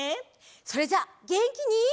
それじゃあげんきに。